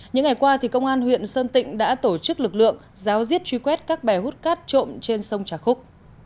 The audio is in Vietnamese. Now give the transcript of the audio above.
những ngày qua công an huyện sơn tịnh đã tổ chức lực lượng giáo diết truy quét các bè hút cát trộm trên sông trà khúc